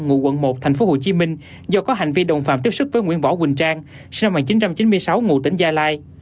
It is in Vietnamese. ngụ quận một tp hcm do có hành vi đồng phạm tiếp xúc với nguyễn võ quỳnh trang sinh năm một nghìn chín trăm chín mươi sáu ngụ tỉnh gia lai